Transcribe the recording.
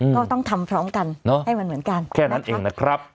ก็ต้องทำพร้อมกันให้มันเหมือนกันแค่นั้นเองนะครับ